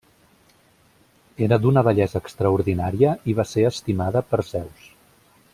Era d'una bellesa extraordinària i va ser estimada per Zeus.